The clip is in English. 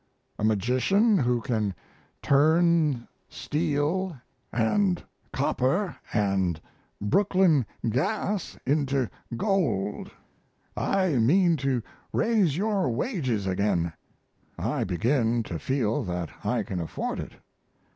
a magician who can turn steel add copper and Brooklyn gas into gold. I mean to raise your wages again I begin to feel that I can afford it.